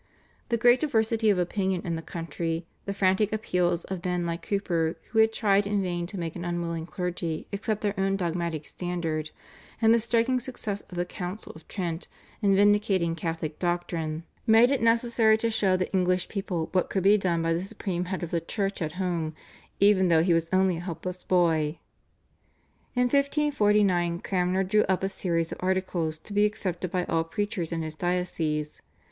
The great diversity of opinion in the country, the frantic appeals of men like Hooper who had tried in vain to make an unwilling clergy accept their own dogmatic standard, and the striking success of the Council of Trent in vindicating Catholic doctrine, made it necessary to show the English people what could be done by the supreme head of the Church at home even though he was only a helpless boy. In 1549 Cranmer drew up a series of Articles to be accepted by all preachers in his diocese.